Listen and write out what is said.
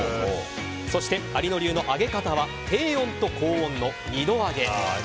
そして、有野流の揚げ方は低温と高温の２度揚げ。